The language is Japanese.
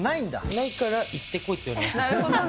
ないから行ってこいって言わなるほどね。